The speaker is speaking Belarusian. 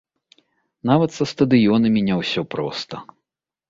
Нават са стадыёнамі не ўсё проста.